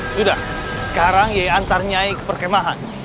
sudah sekarang yei antar nyai ke perkemahan